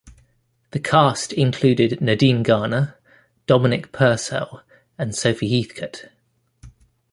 The cast included Nadine Garner, Dominic Purcell and Sophie Heathcote.